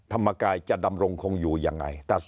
ธรรมกายจะดำรงคงอยู่ยังไง